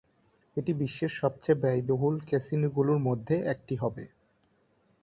এটি বিশ্বের সবচেয়ে ব্যয়বহুল ক্যাসিনোগুলির মধ্যে একটি হবে।